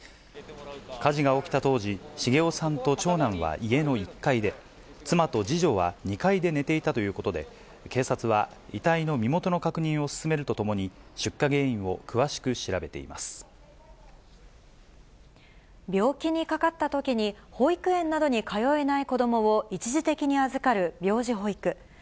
火事が起きた当時、重雄さんと長男は家の１階で、妻と次女は２階で寝ていたということで、警察は、遺体の身元の確認を進めるとともに、出火原因を詳しく調べていま病気にかかったときに、保育園などに通えない子どもを一時的に預かる病児保育。